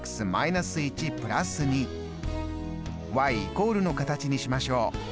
「＝」の形にしましょう。